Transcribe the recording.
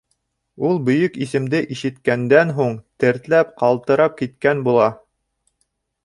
Ул бөйөк исемде ишеткәндән һуң, тертләп, ҡалтырап киткән була.